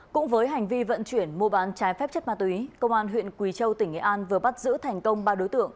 cũng với hành vi vận chuyển mua bán trái phép chất ma túy công an huyện quỳ châu tỉnh nghệ an vừa bắt giữ thành công ba đối tượng